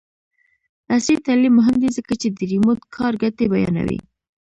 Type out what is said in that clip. عصري تعلیم مهم دی ځکه چې د ریموټ کار ګټې بیانوي.